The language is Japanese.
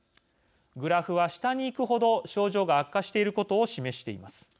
グラフは下にいく程、症状が悪化していることを示しています。